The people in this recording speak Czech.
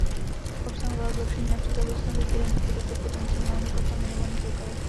Obsahovala zlepšení například ve vztahu k identifikaci potenciálně kontaminovaných lokalit.